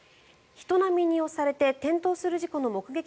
人波に押されて転倒する事故の目撃